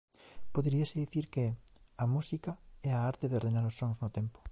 Poderíase dicir que "a música é a arte de ordenar os sons no tempo".